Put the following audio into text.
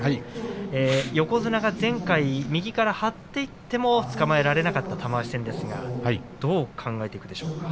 横綱が前回右から張っていってもつかまえられなかった玉鷲戦ですがどう考えていくでしょうか。